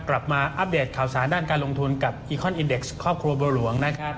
มาอัปเดตข่าวสารด้านการลงทุนกับอีคอนอินเด็กซ์ครอบครัวบัวหลวงนะครับ